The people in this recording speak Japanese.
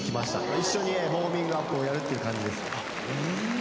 一緒にウォーミングアップをやるっていう感じですね。